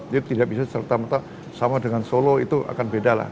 jadi tidak bisa sama dengan solo itu akan beda lah